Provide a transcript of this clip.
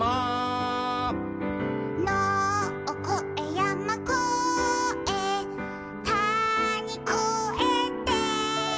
「のをこえやまこえたにこえて」